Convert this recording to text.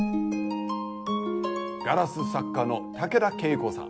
ガラス作家の竹田恵子さん。